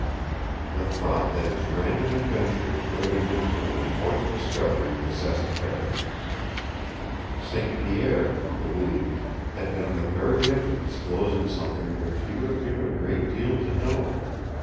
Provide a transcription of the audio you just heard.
The thought that his random adventure was bringing him to an important discovery possessed Carrigan. St. Pierre, he believed, had been on the very edge of disclosing something which he would have given a great deal to know.